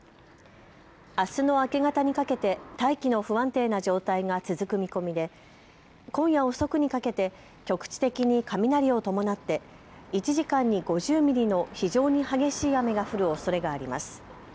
あすの明け方にかけて大気の不安定な状態が続く見込みで今夜遅くにかけて局地的に雷を伴って１時間に５０ミリの非常に激しい雨が降るおそれがあります。